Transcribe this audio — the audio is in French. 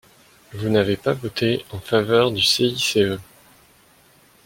Vous n’avez pas voté en faveur du CICE